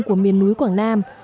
của miền núi quảng nam